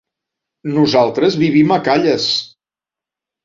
Nosaltres vivim a Calles.